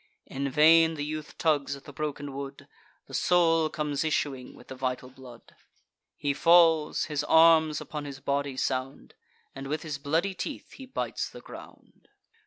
In vain the youth tugs at the broken wood; The soul comes issuing with the vital blood: He falls; his arms upon his body sound; And with his bloody teeth he bites the ground.